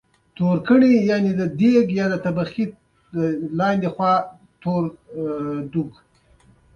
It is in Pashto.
دوی د میلمنو ډېر قدر کوي.